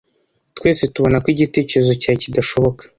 Twese tubona ko igitekerezo cyawe kidashoboka.